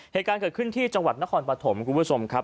เหตุการณ์เกิดขึ้นที่จังหวัดนครปฐมคุณผู้ชมครับ